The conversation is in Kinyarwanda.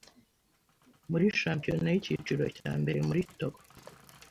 muri shampiyona y'icyiciro cya mbere muri Togo